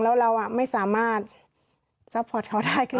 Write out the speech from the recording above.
แล้วเราไม่สามารถซัพพอร์ตเขาได้คือ